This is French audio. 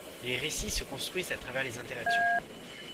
Les récits se construisent à travers les interactions.